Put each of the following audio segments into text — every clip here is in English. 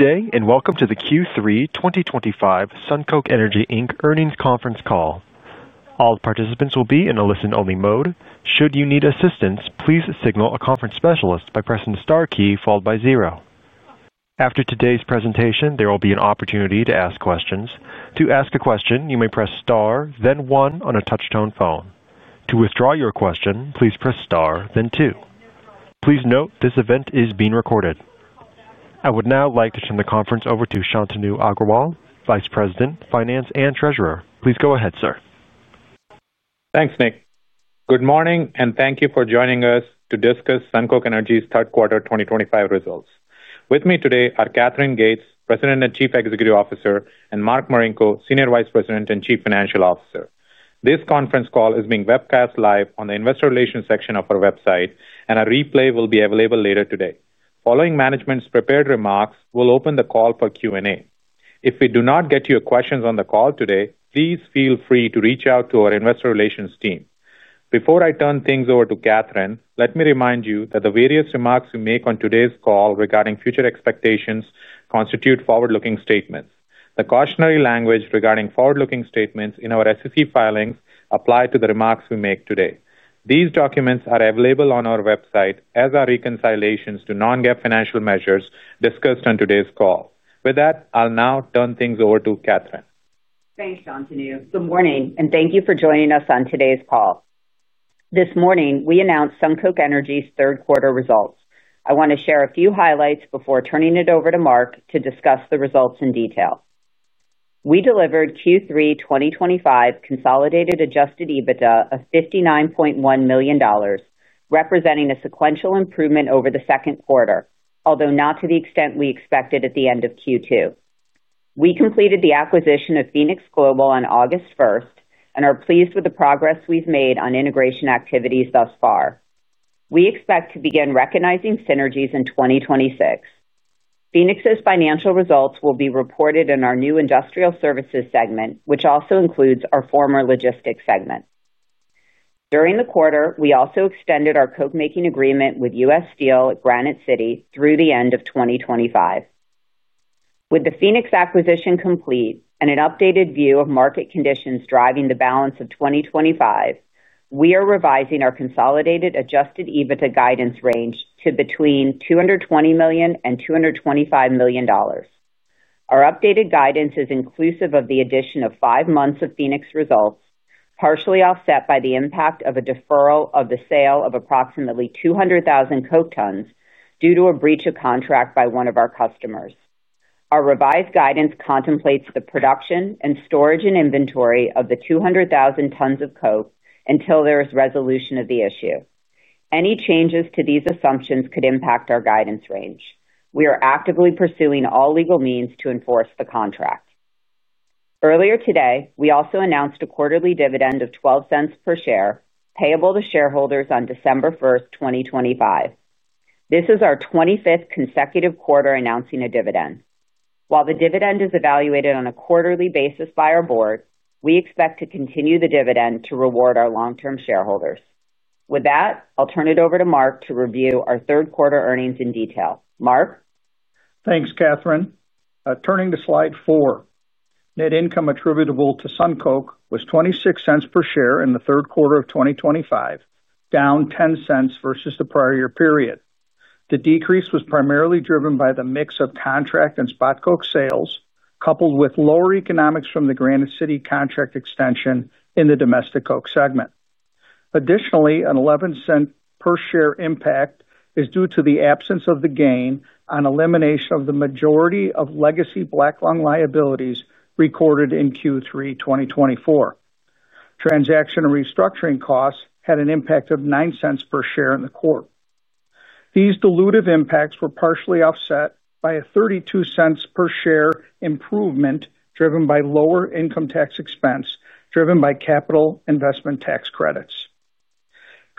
Good day, and welcome to the Q3 2025 SunCoke Energy Inc earnings conference call. All participants will be in a listen-only mode. Should you need assistance, please signal a conference specialist by pressing the star key followed by zero. After today's presentation, there will be an opportunity to ask questions. To ask a question, you may press star, then one on a touch-tone phone. To withdraw your question, please press star, then two. Please note this event is being recorded. I would now like to turn the conference over to Shantanu Agrawal, Vice President, Finance and Treasurer. Please go ahead, sir. Thanks, Nick. Good morning, and thank you for joining us to discuss SunCoke Energy's third quarter 2025 results. With me today are Katherine Gates, President and Chief Executive Officer, and Mark Marinko, Senior Vice President and Chief Financial Officer. This conference call is being webcast live on the Investor Relations section of our website, and a replay will be available later today. Following management's prepared remarks, we'll open the call for Q&A. If we do not get to your questions on the call today, please feel free to reach out to our Investor Relations team. Before I turn things over to Katherine, let me remind you that the various remarks you make on today's call regarding future expectations constitute forward-looking statements. The cautionary language regarding forward-looking statements in our SEC filings applies to the remarks we make today. These documents are available on our website as are reconciliations to non-GAAP financial measures discussed on today's call. With that, I'll now turn things over to Katherine. Thanks, Shantanu. Good morning, and thank you for joining us on today's call. This morning, we announced SunCoke Energy's third quarter results. I want to share a few highlights before turning it over to Mark to discuss the results in detail. We delivered Q3 2025 consolidated Adjusted EBITDA of $59.1 million, representing a sequential improvement over the second quarter, although not to the extent we expected at the end of Q2. We completed the acquisition of Phoenix Global on August 1st and are pleased with the progress we've made on integration activities thus far. We expect to begin recognizing synergies in 2026. Phoenix's financial results will be reported in our new industrial services segment, which also includes our former logistics segment. During the quarter, we also extended our coke-making agreement with U.S. Steel at Granite City through the end of 2025. With the Phoenix acquisition complete and an updated view of market conditions driving the balance of 2025, we are revising our consolidated Adjusted EBITDA guidance range to between $220 million and $225 million. Our updated guidance is inclusive of the addition of five months of Phoenix results, partially offset by the impact of a deferral of the sale of approximately 200,000 coke tons due to a breach of contract by one of our customers. Our revised guidance contemplates the production and storage and inventory of the 200,000 tons of coke until there is resolution of the issue. Any changes to these assumptions could impact our guidance range. We are actively pursuing all legal means to enforce the contract. Earlier today, we also announced a quarterly dividend of $0.12 per share payable to shareholders on December 1st, 2025. This is our 25th consecutive quarter announcing a dividend. While the dividend is evaluated on a quarterly basis by our board, we expect to continue the dividend to reward our long-term shareholders. With that, I'll turn it over to Mark to review our third quarter earnings in detail. Mark. Thanks, Katherine. Turning to slide four. Net income attributable to SunCoke was $0.26 per share in the third quarter of 2025, down $0.10 versus the prior year period. The decrease was primarily driven by the mix of contract and spot Coke sales, coupled with lower economics from the Granite City contract extension in the domestic Coke segment. Additionally, an $0.11 per share impact is due to the absence of the gain on elimination of the majority of legacy Black Lung liabilities recorded in Q3 2024. Transaction and restructuring costs had an impact of $0.09 per share in the quarter. These dilutive impacts were partially offset by a $0.32 per share improvement driven by lower income tax expense driven by capital investment tax credits.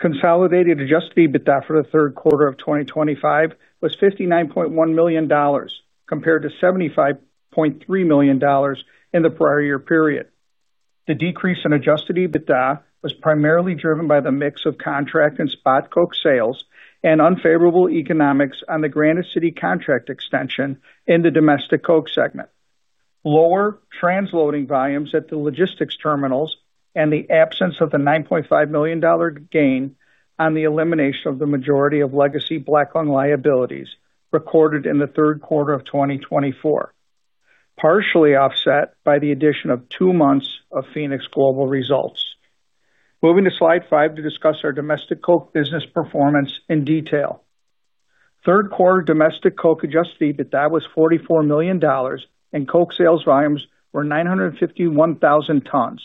Consolidated Adjusted EBITDA for the third quarter of 2025 was $59.1 million, compared to $75.3 million in the prior year period. The decrease in Adjusted EBITDA was primarily driven by the mix of contract and spot Coke sales and unfavorable economics on the Granite City contract extension in the domestic Coke segment, lower transloading volumes at the logistics terminals and the absence of the $9.5 million gain on the elimination of the majority of legacy Black Lung liabilities recorded in the third quarter of 2024, partially offset by the addition of two months of Phoenix Global results. Moving to slide five to discuss our domestic Coke business performance in detail. Third quarter domestic Coke Adjusted EBITDA was $44 million, and Coke sales volumes were 951,000 tons,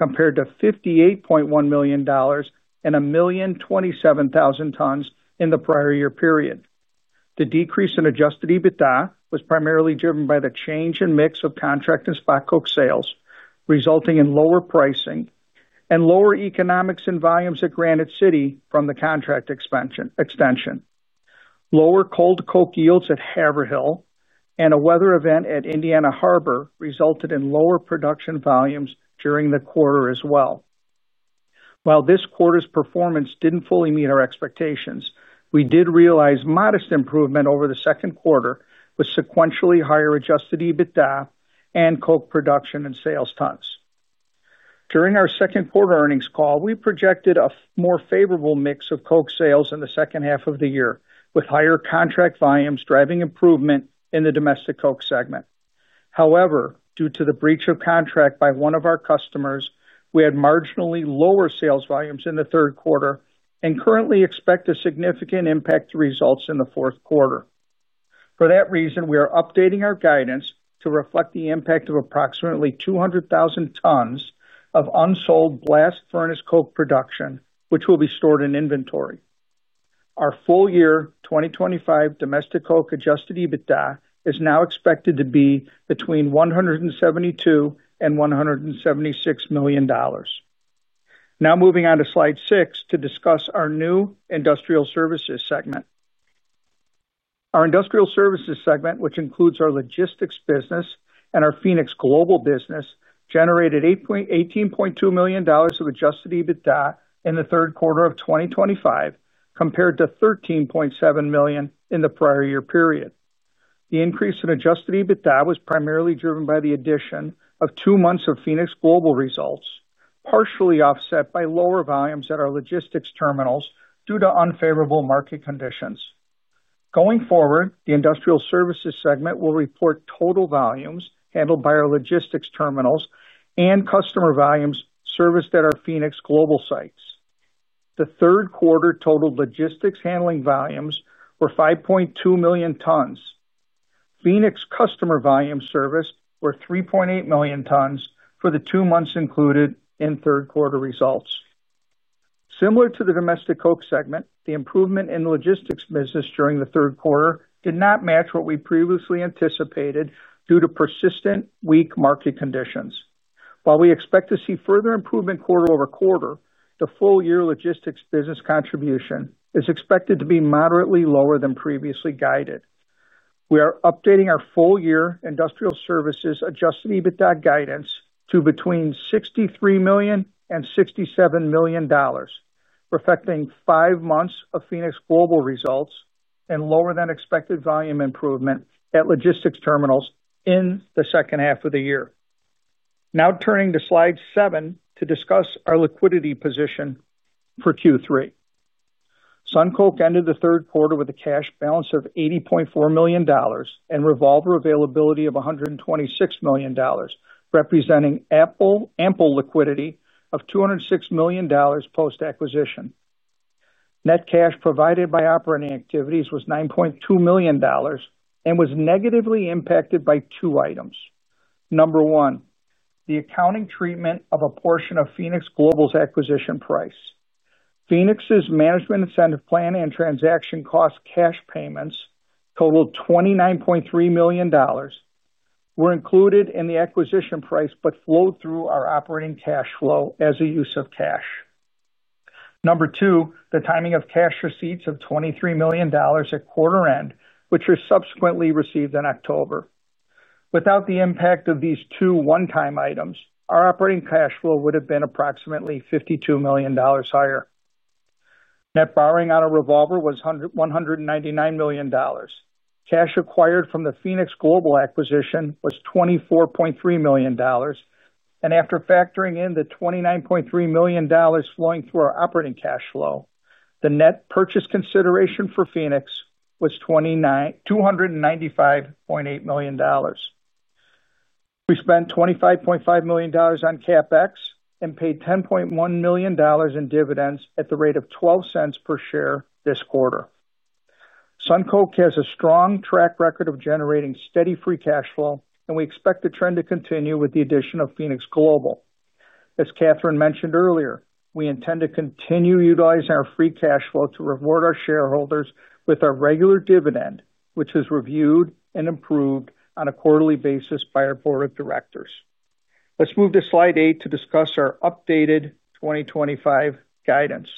compared to $58.1 million and 1,027,000 tons in the prior year period. The decrease in Adjusted EBITDA was primarily driven by the change in mix of contract and spot Coke sales, resulting in lower pricing and lower economics and volumes at Granite City from the contract extension. Lower cold Coke yields at Haverhill and a weather event at Indiana Harbor resulted in lower production volumes during the quarter as well. While this quarter's performance didn't fully meet our expectations, we did realize modest improvement over the second quarter with sequentially higher Adjusted EBITDA and Coke production and sales tons. During our second quarter earnings call, we projected a more favorable mix of Coke sales in the second half of the year, with higher contract volumes driving improvement in the domestic Coke segment. However, due to the breach of contract by one of our customers, we had marginally lower sales volumes in the third quarter and currently expect a significant impact to results in the fourth quarter. For that reason, we are updating our guidance to reflect the impact of approximately 200,000 tons of unsold blast furnace Coke production, which will be stored in inventory. Our full year 2025 domestic Coke Adjusted EBITDA is now expected to be between $172 and $176 million. Now moving on to slide six to discuss our new industrial services segment. Our industrial services segment, which includes our logistics business and our Phoenix Global business, generated $18.2 million of Adjusted EBITDA in the third quarter of 2025, compared to $13.7 million in the prior year period. The increase in Adjusted EBITDA was primarily driven by the addition of two months of Phoenix Global results, partially offset by lower volumes at our logistics terminals due to unfavorable market conditions. Going forward, the industrial services segment will report total volumes handled by our logistics terminals and customer volumes serviced at our Phoenix Global sites. The third quarter total logistics handling volumes were 5.2 million tons. Phoenix customer volume serviced were 3.8 million tons for the two months included in third quarter results. Similar to the domestic Coke segment, the improvement in logistics business during the third quarter did not match what we previously anticipated due to persistent weak market conditions. While we expect to see further improvement quarter over quarter, the full year logistics business contribution is expected to be moderately lower than previously guided. We are updating our full year industrial services Adjusted EBITDA guidance to between $63 million and $67 million. Reflecting five months of Phoenix Global results and lower than expected volume improvement at logistics terminals in the second half of the year. Now turning to slide seven to discuss our liquidity position. For Q3, SunCoke ended the third quarter with a cash balance of $80.4 million and revolver availability of $126 million, representing ample liquidity of $206 million post-acquisition. Net cash provided by operating activities was $9.2 million and was negatively impacted by two items. Number one, the accounting treatment of a portion of Phoenix Global's acquisition price. Phoenix's management incentive plan and transaction cost cash payments totaled $29.3 million. Were included in the acquisition price but flowed through our operating cash flow as a use of cash. Number two, the timing of cash receipts of $23 million at quarter end, which was subsequently received in October. Without the impact of these two one-time items, our operating cash flow would have been approximately $52 million higher. Net borrowing on a revolver was $199 million. Cash acquired from the Phoenix Global acquisition was $24.3 million. And after factoring in the $29.3 million flowing through our operating cash flow, the net purchase consideration for Phoenix was $295.8 million. We spent $25.5 million on CapEx and paid $10.1 million in dividends at the rate of $0.12 per share this quarter. SunCoke has a strong track record of Free cash flow, and we expect the trend to continue with the addition of Phoenix Global. As Katherine mentioned earlier, we intend to continue Free cash flow to reward our shareholders with our regular dividend, which is reviewed and improved on a quarterly basis by our board of directors. Let's move to slide eight to discuss our updated 2025 guidance.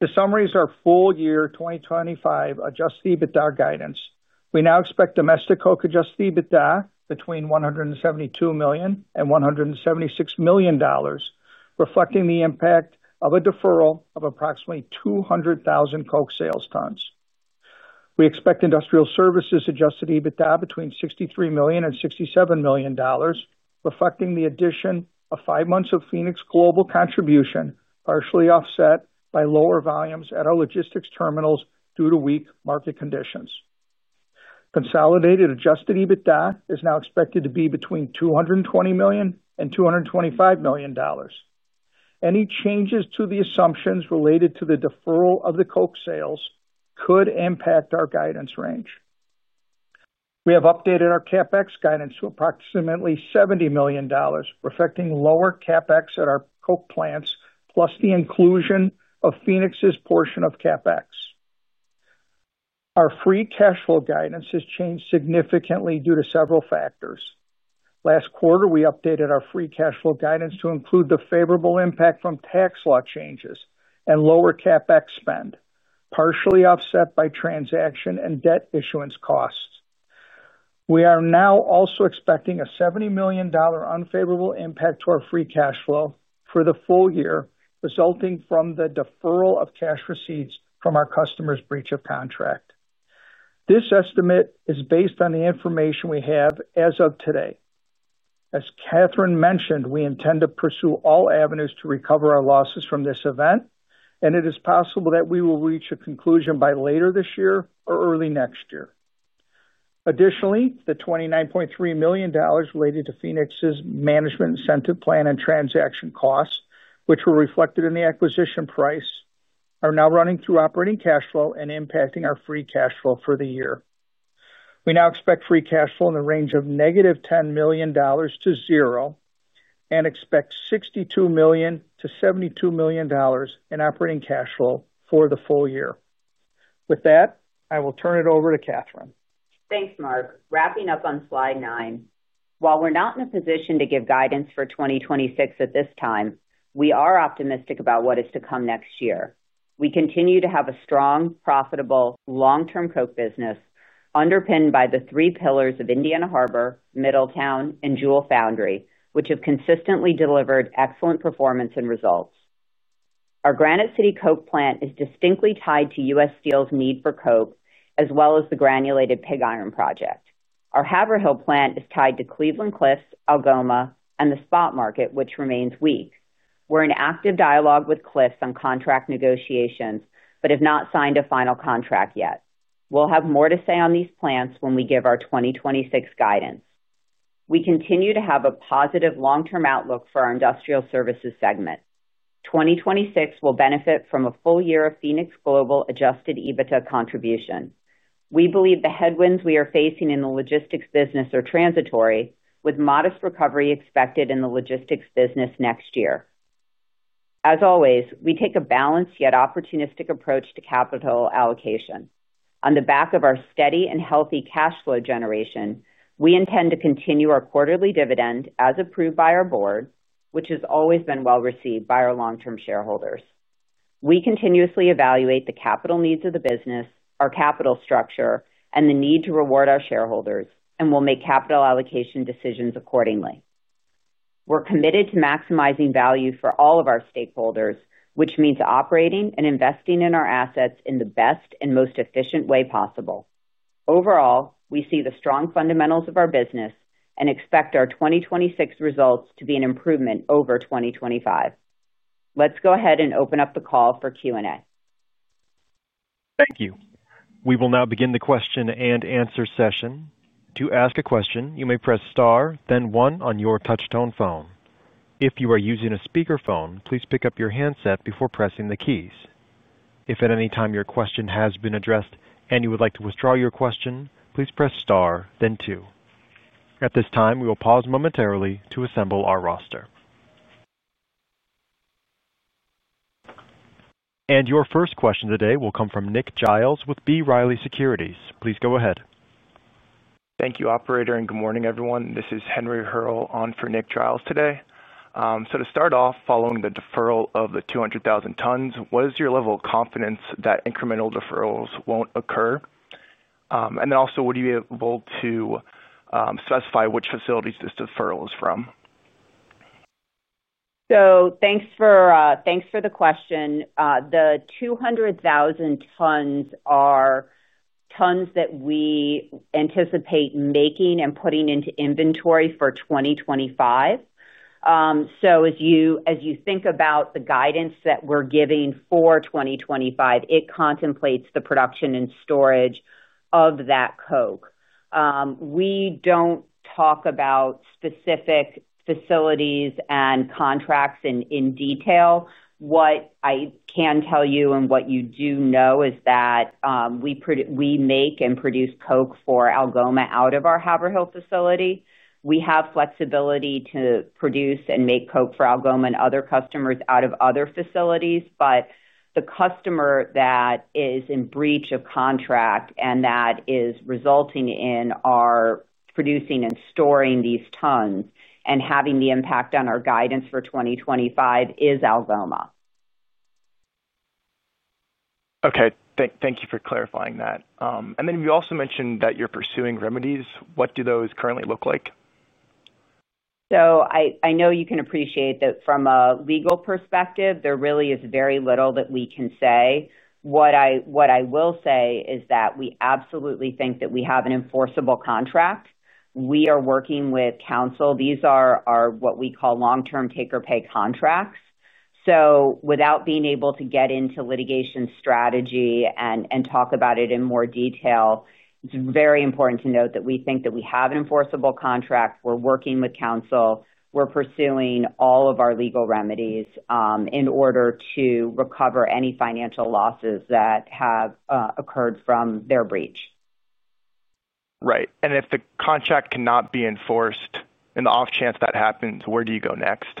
To summarize our full year 2025 Adjusted EBITDA guidance, we now expect domestic Coke Adjusted EBITDA between $172 million and $176 million. Reflecting the impact of a deferral of approximately 200,000 Coke sales tons. We expect industrial services Adjusted EBITDA between $63 million and $67 million, reflecting the addition of five months of Phoenix Global contribution, partially offset by lower volumes at our logistics terminals due to weak market conditions. Consolidated Adjusted EBITDA is now expected to be between $220 million and $225 million. Any changes to the assumptions related to the deferral of the Coke sales could impact our guidance range. We have updated our CapEx guidance to approximately $70 million, reflecting lower CapEx at our Coke plants, plus the inclusion of Phoenix's portion of Free cash flow guidance has changed significantly due to several factors. Last quarter, we Free cash flow guidance to include the favorable impact from tax law changes and lower CapEx spend, partially offset by transaction and debt issuance costs. We are now also expecting a $70 million unfavorable impact Free cash flow for the full year, resulting from the deferral of cash receipts from our customers' breach of contract. This estimate is based on the information we have as of today. As Katherine mentioned, we intend to pursue all avenues to recover our losses from this event, and it is possible that we will reach a conclusion by later this year or early next year. Additionally, the $29.3 million related to Phoenix's management incentive plan and transaction costs, which were reflected in the acquisition price, are now running through operating cash flow and Free cash flow for the year. We Free cash flow in the range of negative $10 million to zero and expect $62 million to $72 million in operating cash flow for the full year. With that, I will turn it over to Katherine. Thanks, Mark. Wrapping up on slide nine. While we're not in a position to give guidance for 2026 at this time, we are optimistic about what is to come next year. We continue to have a strong, profitable, long-term Coke business underpinned by the three pillars of Indiana Harbor, Middletown, and Jewell foundry, which have consistently delivered excellent performance and results. Our Granite City Coke plant is distinctly tied to U.S. Steel's need for Coke, as well as the granulated pig iron project. Our Haverhill plant is tied to Cleveland-Cliffs, Algoma, and the spot market, which remains weak. We're in active dialogue with Cliffs on contract negotiations, but have not signed a final contract yet. We'll have more to say on these plants when we give our 2026 guidance. We continue to have a positive long-term outlook for our industrial services segment. 2026 will benefit from a full year of Phoenix Global Adjusted EBITDA contribution. We believe the headwinds we are facing in the logistics business are transitory, with modest recovery expected in the logistics business next year. As always, we take a balanced yet opportunistic approach to capital allocation. On the back of our steady and healthy cash flow generation, we intend to continue our quarterly dividend as approved by our board, which has always been well received by our long-term shareholders. We continuously evaluate the capital needs of the business, our capital structure, and the need to reward our shareholders, and we'll make capital allocation decisions accordingly. We're committed to maximizing value for all of our stakeholders, which means operating and investing in our assets in the best and most efficient way possible. Overall, we see the strong fundamentals of our business and expect our 2026 results to be an improvement over 2025. Let's go ahead and open up the call for Q&A. Thank you. We will now begin the question and answer session. To ask a question, you may press star, then one on your touch-tone phone. If you are using a speakerphone, please pick up your handset before pressing the keys. If at any time your question has been addressed and you would like to withdraw your question, please press star, then two. At this time, we will pause momentarily to assemble our roster, and your first question today will come from Nick Giles with B. Riley Securities. Please go ahead. Thank you, Operator, and good morning, everyone. This is Henry Hearle on for Nick Giles today. So to start off, following the deferral of the 200,000 tons, what is your level of confidence that incremental deferrals won't occur? And then also, would you be able to specify which facilities this deferral is from? So thanks for the question. The 200,000 tons are tons that we anticipate making and putting into inventory for 2025. So as you think about the guidance that we're giving for 2025, it contemplates the production and storage of that Coke. We don't talk about specific facilities and contracts in detail. What I can tell you and what you do know is that we make and produce Coke for Algoma out of our Haverhill facility. We have flexibility to produce and make Coke for Algoma and other customers out of other facilities, but the customer that is in breach of contract and that is resulting in our producing and storing these tons and having the impact on our guidance for 2025 is Algoma. Okay. Thank you for clarifying that. And then you also mentioned that you're pursuing remedies. What do those currently look like? I know you can appreciate that from a legal perspective, there really is very little that we can say. What I will say is that we absolutely think that we have an enforceable contract. We are working with counsel. These are what we call long-term take-or-pay contracts. Without being able to get into litigation strategy and talk about it in more detail, it's very important to note that we think that we have an enforceable contract. We're working with counsel. We're pursuing all of our legal remedies in order to recover any financial losses that have occurred from their breach. Right, and if the contract cannot be enforced, in the off chance that happens, where do you go next?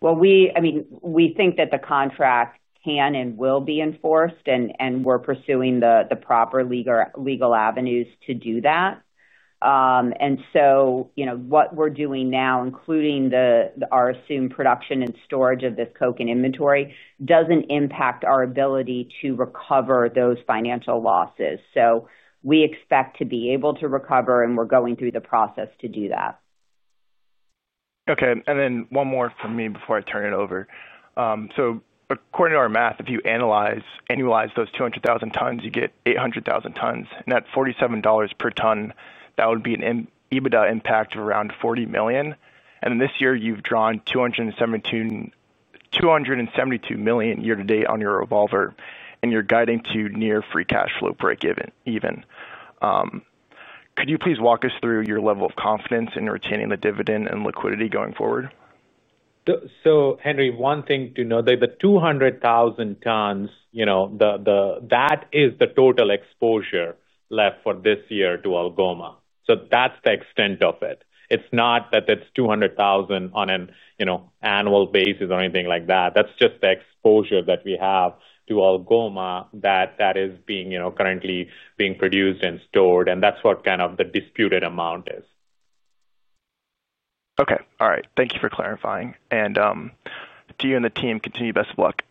Well, I mean, we think that the contract can and will be enforced, and we're pursuing the proper legal avenues to do that. And so what we're doing now, including our assumed production and storage of this coke and inventory, doesn't impact our ability to recover those financial losses. So we expect to be able to recover, and we're going through the process to do that. Okay. And then one more from me before I turn it over. So according to our math, if you annualize those 200,000 tons, you get 800,000 tons. And at $47 per ton, that would be an EBITDA impact of around $40 million. And this year, you've drawn $272 million year-to-date on your revolver, and you're guiding Free cash flow break even. Could you please walk us through your level of confidence in retaining the dividend and liquidity going forward? So, Henry, one thing to know, the 200,000 tons. That is the total exposure left for this year to Algoma. So that's the extent of it. It's not that it's 200,000 on an annual basis or anything like that. That's just the exposure that we have to Algoma that is currently being produced and stored, and that's what kind of the disputed amount is. Okay. All right. Thank you for clarifying. And to you and the team, continue the best of luck.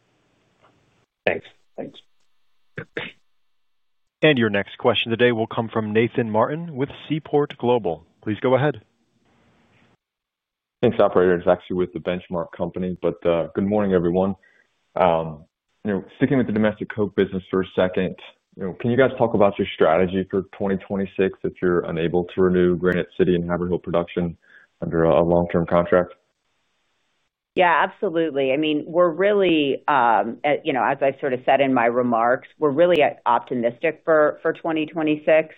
Thanks. Thanks. And your next question today will come from Nathan Martin with Seaport Global. Please go ahead. Thanks, Operator. It's actually with the Benchmark Company, but good morning, everyone. Sticking with the domestic coke business for a second, can you guys talk about your strategy for 2026 if you're unable to renew Granite City and Haverhill production under a long-term contract? Yeah, absolutely. I mean, we're really, as I sort of said in my remarks, we're really optimistic for 2026.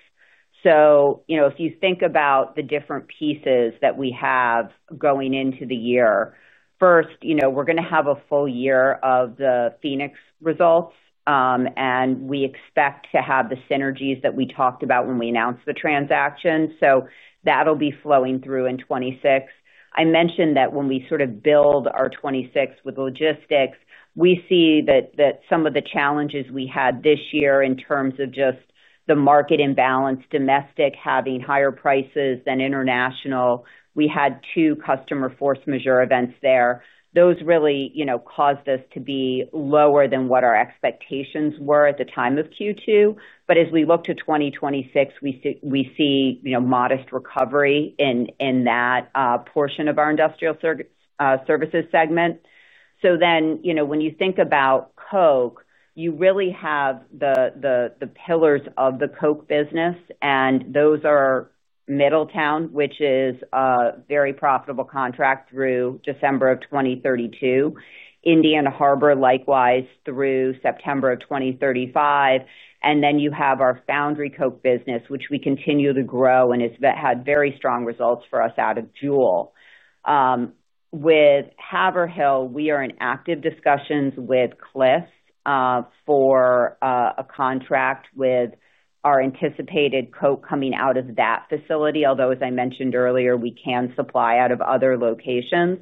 So if you think about the different pieces that we have going into the year, first, we're going to have a full year of the Phoenix results, and we expect to have the synergies that we talked about when we announced the transaction. So that'll be flowing through in 2026. I mentioned that when we sort of build our 2026 with logistics, we see that some of the challenges we had this year in terms of just the market imbalance, domestic having higher prices than international. We had two customer force majeure events there. Those really caused us to be lower than what our expectations were at the time of Q2. But as we look to 2026, we see modest recovery in that portion of our industrial services segment. So then when you think about. Coke, you really have the pillars of the Coke business, and those are Middletown, which is a very profitable contract through December of 2032. Indiana Harbor, likewise, through September of 2035. And then you have our Foundry Coke business, which we continue to grow and has had very strong results for us out of Jewell. With Haverhill, we are in active discussions with Cliffs for. A contract with our anticipated Coke coming out of that facility, although, as I mentioned earlier, we can supply out of other locations.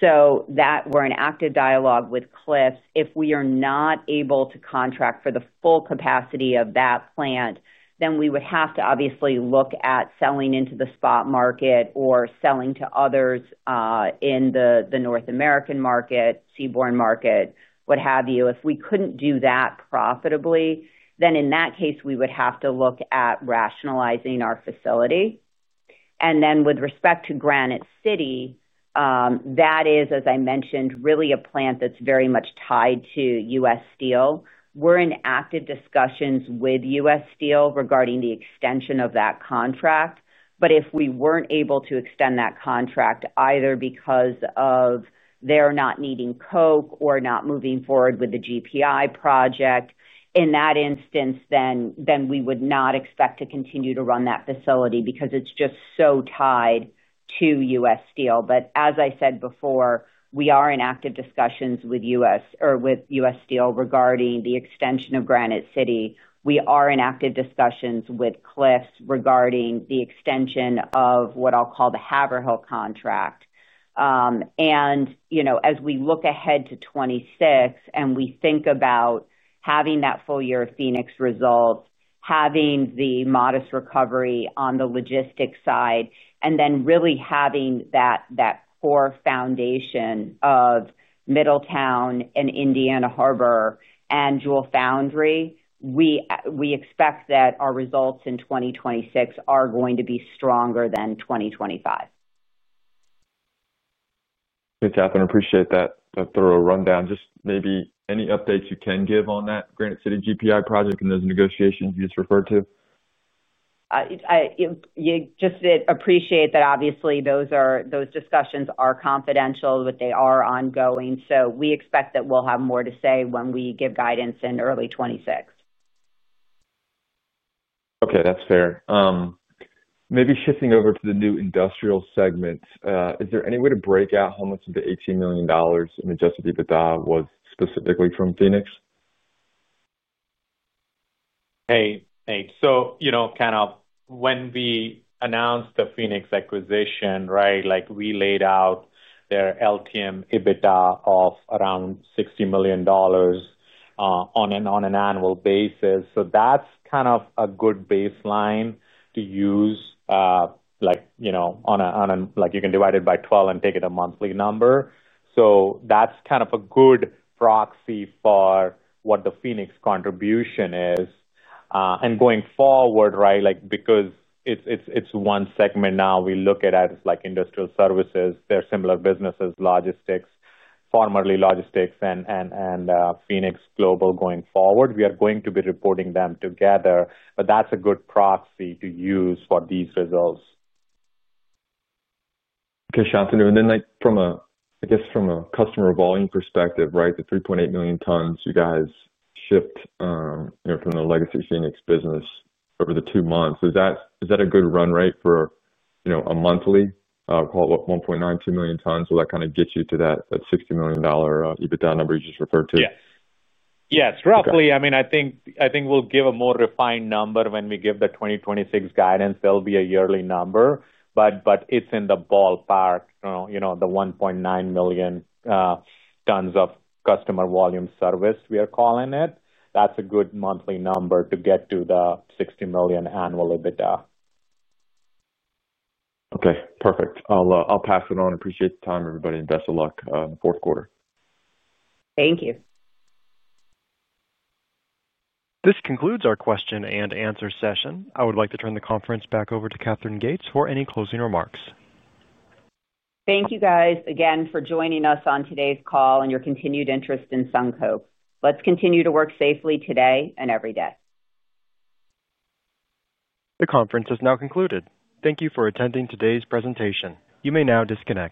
So we're in active dialogue with Cliffs. If we are not able to contract for the full capacity of that plant, then we would have to obviously look at selling into the spot market or selling to others in the North American market, seaborne market, what have you. If we couldn't do that profitably, then in that case, we would have to look at rationalizing our facility. And then with respect to Granite City. That is, as I mentioned, really a plant that's very much tied to U.S. Steel. We're in active discussions with U.S. Steel regarding the extension of that contract. But if we weren't able to extend that contract, either because of. They're not needing Coke or not moving forward with the GPI project, in that instance, then we would not expect to continue to run that facility because it's just so tied to U.S. Steel. But as I said before, we are in active discussions with U.S. Steel regarding the extension of Granite City. We are in active discussions with Cliffs regarding the extension of what I'll call the Haverhill contract. And as we look ahead to 2026 and we think about having that full year of Phoenix results, having the modest recovery on the logistics side, and then really having that. Core foundation of Middletown and Indiana Harbor and Jewell foundry, we expect that our results in 2026 are going to be stronger than 2025. Good, Katherine. Appreciate that thorough rundown. Just maybe any updates you can give on that Granite City GPI project and those negotiations you just referred to? Just to appreciate that, obviously, those discussions are confidential, but they are ongoing. So we expect that we'll have more to say when we give guidance in early 2026. Okay. That's fair. Maybe shifting over to the new industrial segment, is there any way to break out how much of the $18 million in Adjusted EBITDA was specifically from Phoenix? Hey, so kind of when we announced the Phoenix acquisition, right, we laid out their LTM EBITDA of around $60 million on an annual basis. So that's kind of a good baseline to use. On a, you can divide it by 12 and take it as a monthly number. So that's kind of a good proxy for what the Phoenix contribution is. And going forward, right, because it's one segment now, we look at it as industrial services, there are similar businesses, logistics, formerly logistics, and Phoenix Global going forward. We are going to be reporting them together, but that's a good proxy to use for these results. Okay, Shantanu. And then from a, I guess, from a customer volume perspective, right, the 3.8 million tons you guys shipped from the legacy Phoenix business over the two months. Is that a good run rate for a monthly, call it 1.92 million tons? Will that kind of get you to that $60 million EBITDA number you just referred to? Yes. Yes. Roughly, I mean, I think we'll give a more refined number when we give the 2026 guidance. There'll be a yearly number, but it's in the ballpark, the 1.9 million tons of customer volume service we are calling it. That's a good monthly number to get to the $60 million annual EBITDA. Okay. Perfect. I'll pass it on. Appreciate the time, everybody, and best of luck in the fourth quarter. Thank you. This concludes our question and answer session. I would like to turn the conference back over to Katherine Gates for any closing remarks. Thank you, guys, again, for joining us on today's call and your continued interest in SunCoke. Let's continue to work safely today and every day. The conference is now concluded. Thank you for attending today's presentation. You may now disconnect.